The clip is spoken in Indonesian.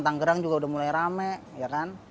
tanggerang juga udah mulai rame ya kan